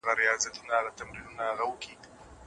دا جګړه د ازادۍ جګړه وه.